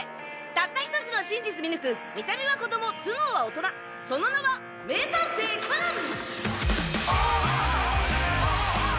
たった１つの真実見抜く見た目は子供頭脳は大人その名は名探偵コナン！